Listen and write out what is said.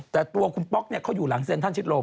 แต่ตัวคุณป๊อกเขาอยู่หลังเซ็นทรัลชิดโลม